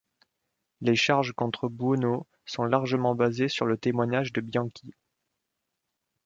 Les charges contre Buono sont largement basées sur le témoignage de Bianchi.